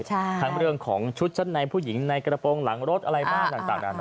ทั้งเรื่องของชุดชั้นในผู้หญิงในกระโปรงหลังรถอะไรบ้างต่างนานา